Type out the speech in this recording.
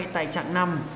tại trạng năm